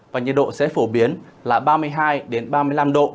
và nhiệt độ sẽ phổ biến là ba mươi hai ba mươi năm độ